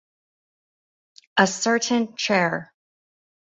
A certain Chr.